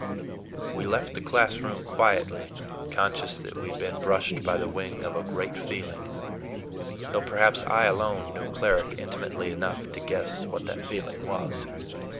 We left the classroom quietly, conscious that we had been brushed by the wing of a great feeling, though perhaps I alone knew Cleric intimately enough to guess what that feeling was.